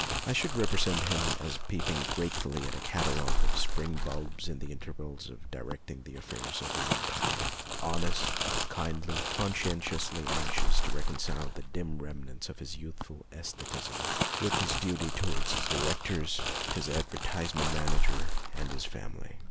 I should represent him as peep ing gratefully at a catalogue of spring bulbs in the intervals of directing the affairs of the Empire. Honest, kindly, conscientiously anxious to reconcile the dim remnants of his youthful sestheticism with his duty to wards his directors, his advertisement manager, and his family.